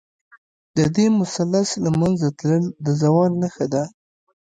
د دې مثلث له منځه تلل، د زوال نښه ده.